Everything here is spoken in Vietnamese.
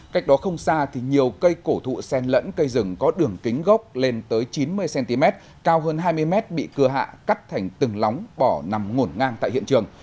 cách đó không xa thì nhiều cây cổ thụ sen lẫn cây rừng có đường kính gốc lên tới chín mươi cm cao hơn hai mươi m bị cưa hạ cắt thành từng lóng bỏ nằm ngổn ngang tại hiện trường